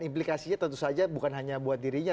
implikasinya tentu saja bukan hanya buat dirinya